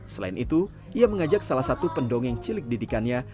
selain itu ia mengajak salah satu pendongeng cilik didikannya